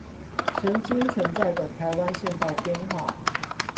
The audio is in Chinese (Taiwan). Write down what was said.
曾經存在的台灣縣道編號